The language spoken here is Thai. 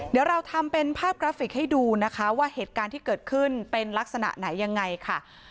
เดี๋ยวเราทำเป็นภาพกราฟิกให้ดูนะคะว่าเหตุการณ์ที่เกิดขึ้นเป็นลักษณะไหนยังไงค่ะ